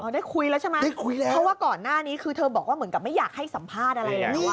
ได้คุยแล้วใช่ไหมเพราะว่าก่อนหน้านี้คือเธอบอกว่าเหมือนกับไม่อยากให้สัมภาษณ์อะไรแล้ว